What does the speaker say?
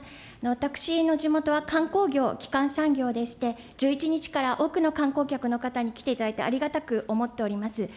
私の地元は観光業、基幹産業でして、１１日から多くの観光客の方に来ていただいて、ありがたく思っております。